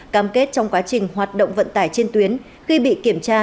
cam kết trong quá trình hoạt động vận tải trên tuyến khi bị kiểm tra